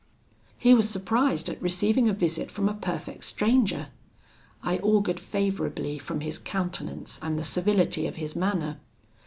He was surprised at receiving a visit from a perfect stranger. I augured favourably from his countenance and the civility of his manner.